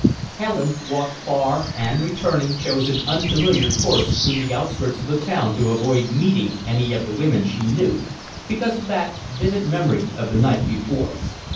Helen walked far and, returning, chose an unfamiliar course through the outskirts of the town to avoid meeting any of the women she knew, because of that vivid memory of the night before.